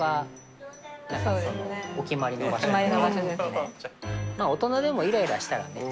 お決まりの場所ですね。